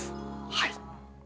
はい。